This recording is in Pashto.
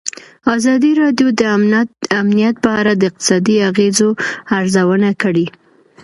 ازادي راډیو د امنیت په اړه د اقتصادي اغېزو ارزونه کړې.